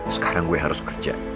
sekarang gue harus kerja